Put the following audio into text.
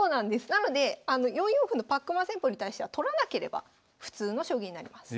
なので４四歩のパックマン戦法に対しては取らなければ普通の将棋になります。